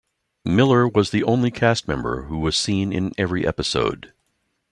Miller was the only cast member who was seen in every episode.